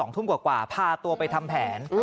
๒ทุ่มกว่าพาตัวไปทำแผน